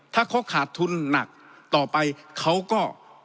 ถ้าเขาขาดทุนหนักต่อไปเขาก็